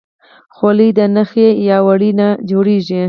خولۍ د نخي یا وړۍ نه جوړیږي.